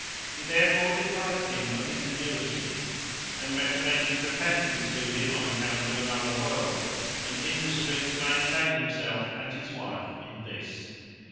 He therefore deprived him of his annuity, and recommended repentance to him on account of another world, and industry to maintain himself and his wife in this.